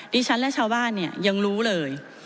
ดิฉันและชาวบ้านเนี่ยยังรู้เลย